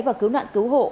và cứu nạn cứu hộ